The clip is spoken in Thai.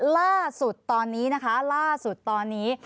ล่าสุดตอนนี้นะคะล่าสุดตอนนี้